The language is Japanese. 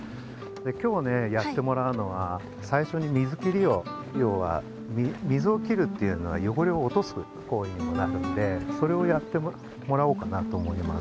きょうねやってもらうのはさいしょに水切りを要は水を切るっていうのはよごれを落とす行為にもなるんでそれをやってもらおうかなと思います。